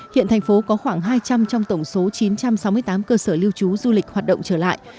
hiện thành phố có khoảng hai trăm linh trong tổng số chín trăm sáu mươi tám cơ sở lưu trú du lịch hoạt động trở lại